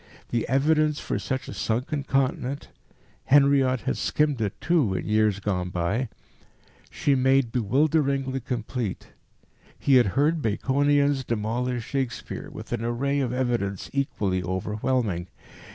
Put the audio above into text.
The evidence for such a sunken continent Henriot had skimmed it too in years gone by she made bewilderingly complete. He had heard Baconians demolish Shakespeare with an array of evidence equally overwhelming.